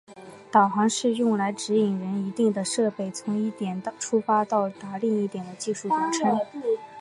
导航是用来指引人一定的设备从一点出发到达另一点的技术的总称。